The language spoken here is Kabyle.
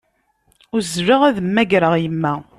Uzzleɣ ad mmagreɣ yemma.